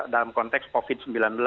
dalam konteks covid sembilan belas